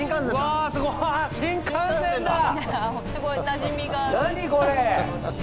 あすごいなじみがある。